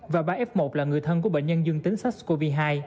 và ba f một là người thân của bệnh nhân dương tính sars cov hai